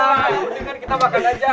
nah kita makan aja